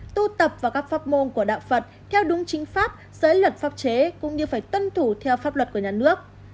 tu tập vào các pháp môn của đạo phật theo đúng chính pháp giới luật pháp chế cũng như phải tuân thủ theo pháp luật của nhà nước